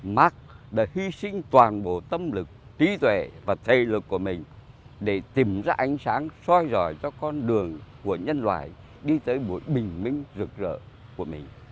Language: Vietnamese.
mark đã hy sinh toàn bộ tâm lực trí tuệ và thầy lực của mình để tìm ra ánh sáng soi dòi cho con đường của nhân loại đi tới buổi bình minh rực rỡ của mình